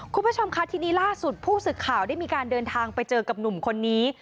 คุณผู้ชมค่ะทีนี้ล่าสุดผู้สื่อข่าวได้มีการเดินทางไปเจอกับหนุ่มคนนี้